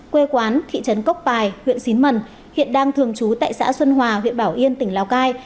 quê quán thị trấn cốc pài huyện xín mần hiện đang thường trú tại xã xuân hòa huyện bảo yên tỉnh lào cai